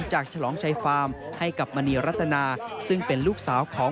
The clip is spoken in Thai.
จากฉลองชัยฟาร์มให้กับมณีรัตนา